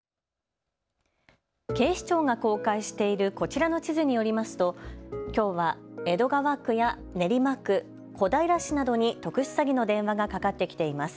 警視庁が公開しているこちらの地図によりますときょうは江戸川区や練馬区、小平市などに特殊詐欺の電話がかかってきています。